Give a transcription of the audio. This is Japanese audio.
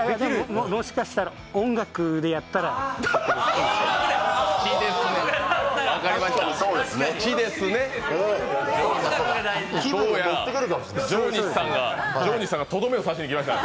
もしかしたら音楽でやったら分かりました。